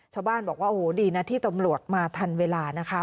ชาวบ้านบอกว่าโอ้โหดีนะที่ตำรวจมาทันเวลานะคะ